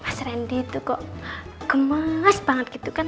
mas randy itu kok gemes banget gitu kan